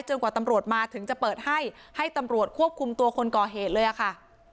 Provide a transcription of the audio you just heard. กว่าตำรวจมาถึงจะเปิดให้ให้ตำรวจควบคุมตัวคนก่อเหตุเลยอะค่ะ